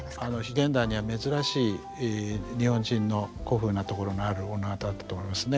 現代には珍しい日本人の古風なところのある女方だったと思いますね。